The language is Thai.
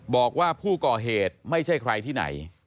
บอกว่าผู้ก่อเหตุไม่ใช่ใครที่ไหน